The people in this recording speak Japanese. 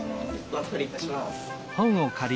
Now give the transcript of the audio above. おあずかりいたします。